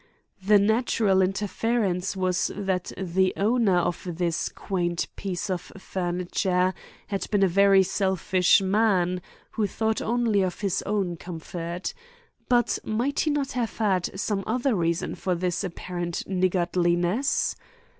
The natural inference was that the owner of this quaint piece of furniture had been a very selfish man who thought only of his own comfort. But might he not have had some other reason for his apparent niggardliness?